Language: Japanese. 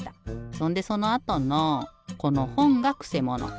そんでそのあとのこのほんがくせもの。